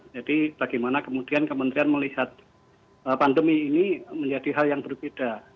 jadi bagaimana kemudian kementerian melihat pandemi ini menjadi hal yang berbeda